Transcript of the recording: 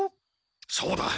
そうだ。